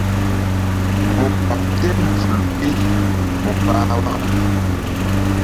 Mu kaɓ tem vul bi mu pah waka.